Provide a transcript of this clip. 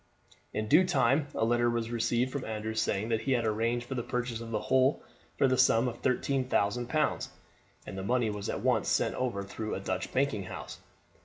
In due time a letter was received from Andrew saying that he had arranged for the purchase of the whole for the sum of thirteen thousand pounds, and the money was at once sent over through a Dutch banking house.